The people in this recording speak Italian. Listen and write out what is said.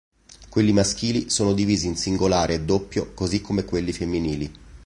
Quelli maschili sono divisi in singolare e doppio così come quelli femminili.